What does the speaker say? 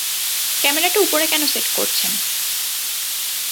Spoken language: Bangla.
ক্যামেরাটা উপরে কেন সেট করছেন?